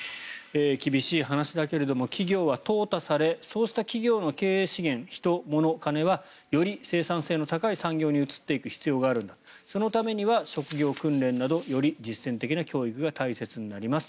厳しい話だけれども企業はとう汰されそうした企業の経営資源人、もの、金はより生産性の高い産業に移っていく必要があるそのためには職業訓練などより実践的な教育が大切になります。